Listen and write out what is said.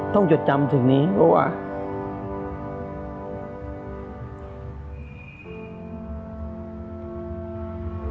ต้องจดจำถึงนี้เพราะว่า